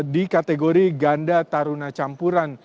di kategori ganda taruna campuran